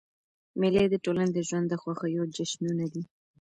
مېلې د ټولني د ژوند د خوښیو جشنونه دي.